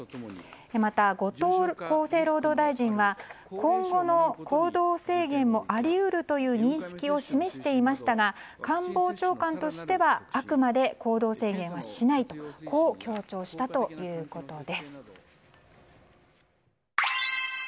また、後藤厚生労働大臣は今後の行動制限もあり得るという認識を示していましたが官房長官としてはあくまで行動制限はしないと強調したということです。